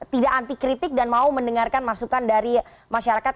tidak anti kritik dan mau mendengarkan masukan dari masyarakat